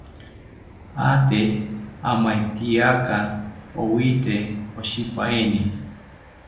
Aate amaetyaka owite oshipaeni